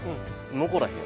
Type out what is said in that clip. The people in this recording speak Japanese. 残らへん。